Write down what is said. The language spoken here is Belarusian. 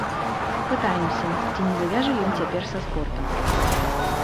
Пытаемся, ці не завяжа ён цяпер са спортам.